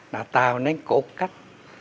đã tạo nên cổ cách